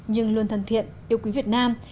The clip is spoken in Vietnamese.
nhưng luôn thân thiện yêu quý việt nam